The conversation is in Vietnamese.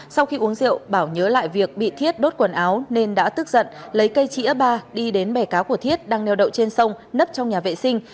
sau khi uống rượu bảo nhớ lại việc bị thiết đốt quần áo nên đã tức giận lấy cây chĩa ba đi đến bẻ cá của thiết đang neo đậu trên sông nấp trong nhà vệ sinh